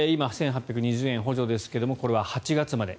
今、１８２０円補助ですがこれは８月まで。